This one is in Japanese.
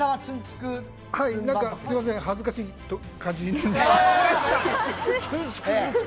すいません恥ずかしい感じに。